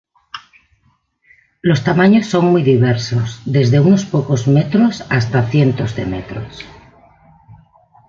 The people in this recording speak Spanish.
Los tamaños son muy diversos desde unos pocos metros hasta cientos de metros.